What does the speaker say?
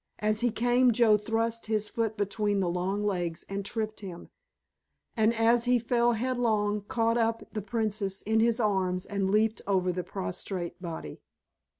As he came Joe thrust his foot between the long legs and tripped him, and as he fell headlong caught up the Princess in his arms and leaped over the prostrate body.